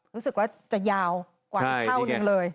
รู้สึกว่าจะยาวกว่าอีกเท่านึงเลย